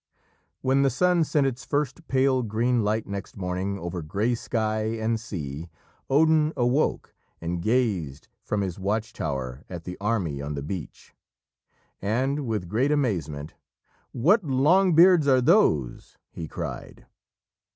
When the sun sent its first pale green light next morning over grey sky and sea, Odin awoke, and gazed from his watch tower at the army on the beach. And, with great amazement, "What Longbeards are those?" he cried.